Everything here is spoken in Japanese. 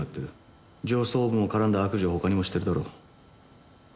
上層部も絡んだ悪事を他にもしてるだろう。